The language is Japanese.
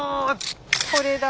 これだ。